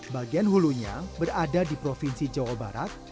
bagian hulunya berada di provinsi jawa barat